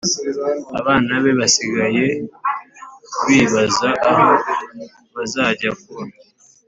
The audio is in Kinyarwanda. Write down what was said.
Abana be basigaye bibaza aho bazajya kuba